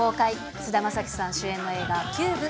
菅田将暉さん主演の映画、ＣＵＢＥ